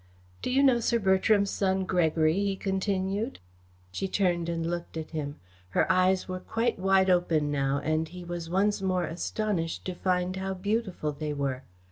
"Do you know Sir Bertram's son, Gregory?" he continued. She turned and looked at him. Her eyes were quite wide open now and he was once more astonished to find how beautiful they were.